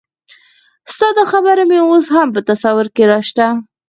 ستا دا خبره مې اوس هم په تصور کې راشنه